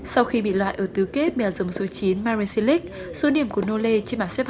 sau khi bị loại ở tứ kết bèo giống số chín marseille số điểm của nole trên bản xếp